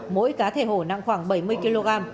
mỗi cá thể hổ nặng khoảng bảy mươi kg